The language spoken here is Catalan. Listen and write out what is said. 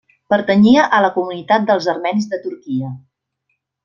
Pertanyia a la comunitat dels Armenis de Turquia.